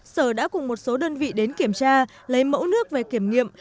sở đã cùng một số đơn vị đến kiểm tra lấy mẫu nước về kiểm nghiệm